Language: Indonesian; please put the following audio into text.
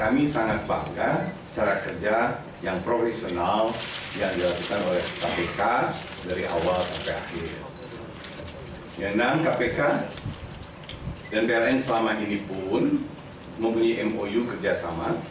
karena kpk dan pln selama ini pun memiliki mou kerjasama